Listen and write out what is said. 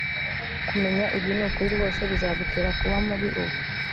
Kumenya ibi nukuri rwose bizagutera kuba mubi ubu